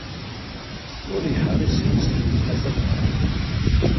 Ur yeḥric anect n gma-s ameqran.